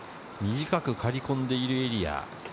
短く刈り込んでるエリア。